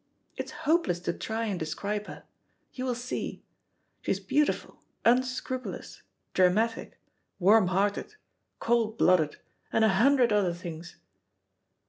It's hopeless to try and describe her; you will see. She is beautiful, unscrupulous, dramatic, warm hearted, cold blooded, and a hundred other things."